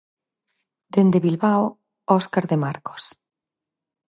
Dende Bilbao, Óscar de Marcos.